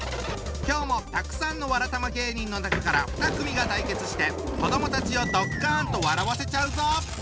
今日もたくさんのわらたま芸人の中から２組が対決して子どもたちをドッカンと笑わせちゃうぞ！